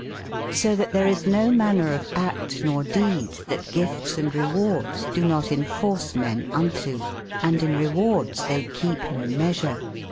O tbat tbereisnomanerof act nor dede tbat gif tes and rewardes do not enforce men unto* Hnd in re wardes tbey kepe no measure.